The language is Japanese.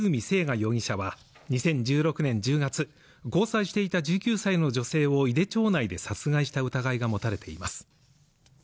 征河容疑者は２０１６年１０月交際していた１９歳の女性を井手町内で殺害した疑いが持たれています